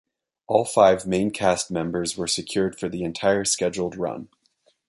All five main cast members were secured for the entire scheduled run.